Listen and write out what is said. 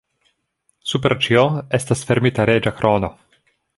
Super ĉio estas fermita reĝa krono.